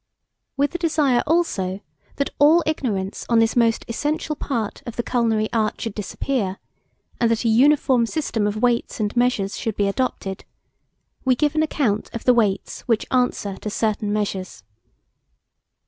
With a desire, also, that all ignorance on this most essential part of the culinary art should disappear, and that a uniform system of weights and measures should be adopted, we give an account of the weights which answer to certain measures.